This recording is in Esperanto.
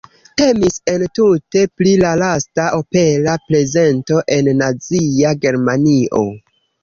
Temis entute pri la lasta opera prezento en Nazia Germanio.